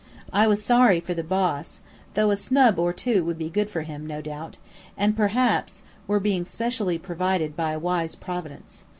I was sorry for the "boss," though a snub or two would be good for him, no doubt, and perhaps were being specially provided by a wise Providence.